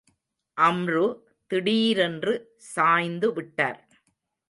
அம்ரு திடீரென்று சாய்ந்து விட்டார்.